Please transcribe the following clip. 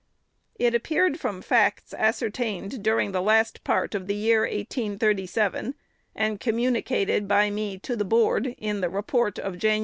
It appeared from facts ascertained during the last part of the year 1837, and communicated by me to the Board iu the report of Jan.